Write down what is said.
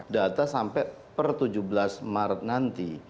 data sampai per tujuh belas maret nanti